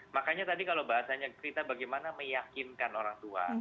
makanya tadi kalau bahasanya cerita bagaimana meyakinkan orang tua